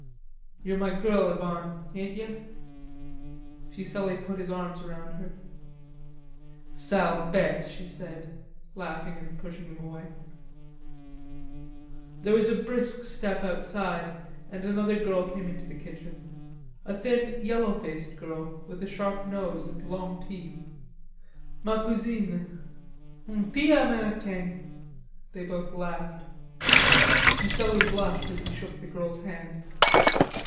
"You're my girl, Yvonne; ain't yer?" Fuselli put his arms round her. "Sale bete," she said, laughing and pushing him away. There was a brisk step outside and another girl came into the kitchen, a thin yellow faced girl with a sharp nose and long teeth. "Ma cousine.... Mon 'tit americain." They both laughed. Fuselli blushed as he shook the girl's hand.